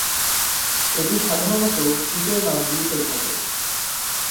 এটি সাধারণত শীতের মাসগুলিতে ঘটে।